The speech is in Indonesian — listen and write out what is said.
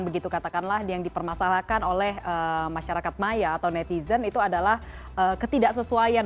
begitu katakanlah yang dipermasalahkan oleh masyarakat maya atau netizen itu adalah ketidaksesuaian